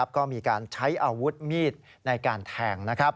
ก็มีการใช้อาวุธมีดในการแทง